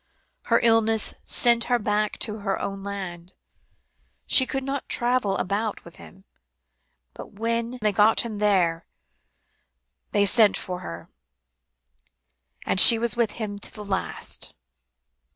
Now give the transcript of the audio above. Her illness sent her back to her own land; she could not travel about with him, but when they got him there, they sent for her, and she was with him to the last."